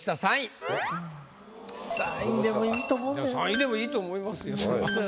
３位でもいいと思いますよ。